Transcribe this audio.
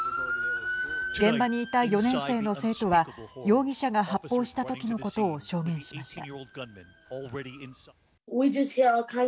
現場にいた４年生の生徒は容疑者が発砲したときのことを証言しました。